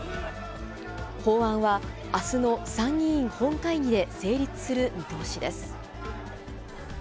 法案は、あすの参議院本会議で成立する見通しです。